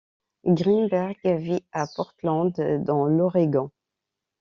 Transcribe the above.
Greenberg vit à Portland, dans l'Oregon.